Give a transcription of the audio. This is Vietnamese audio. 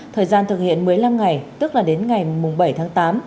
thời gian thực hiện một mươi năm ngày tức là đến ngày bảy tháng tám